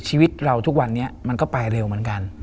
ชีวิตเราทุกวันนี้มันก็ไปเร็วเหมือนกัน